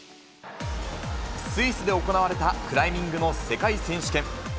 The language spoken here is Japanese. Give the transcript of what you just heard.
スイスで行われたクライミングの世界選手権。